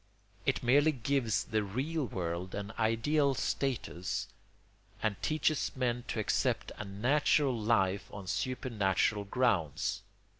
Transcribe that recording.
It merely gives the real world an ideal status and teaches men to accept a natural life on supernatural grounds.